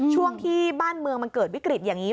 ช่วงที่บ้านเมืองมันเกิดวิกฤตอย่างนี้